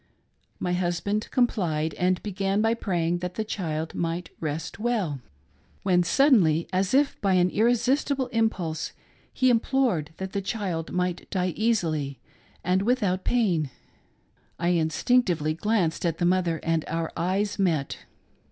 My husband complied, and began by praying that the child might rest well, — when, suddenly, as if by an irresistible impulse he implored that the child might die easily and without pain. I instinctively glanced at the mother, and our eyes met.